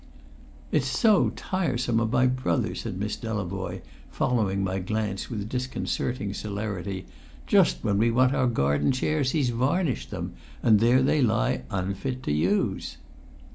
"It's so tiresome of my brother," said Miss Delavoye, following my glance with disconcerting celerity: "just when we want our garden chairs he's varnished them, and there they lie unfit to use!"